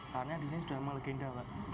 karena di sini sudah sama legenda